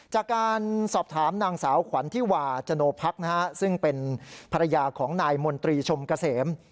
จากการสอบถามนางสาวขวัญธิวาจโนพักซึ่งเป็นภรรยาของนายมนตรีชมเกษม